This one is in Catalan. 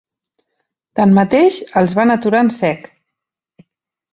Tanmateix, els van aturar en sec.